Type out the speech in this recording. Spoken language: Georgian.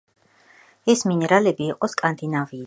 ეს მინერალები იყო სკანდინავიიდან.